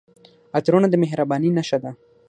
عطرونه د مهربانۍ نښه ده.